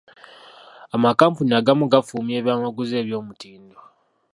Amakampuni agamu gafulumya ebyamaguzi ebyomutindo.